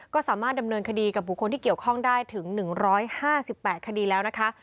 ก็สามารถดำเนินคดีกับบุคคลที่เกี่ยวข้องได้ถึง๑๕๘คดีแล้วนะคะ